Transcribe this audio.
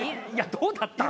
どうだった？